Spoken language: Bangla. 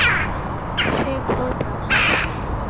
সে ঘোর ব্রাহ্ম।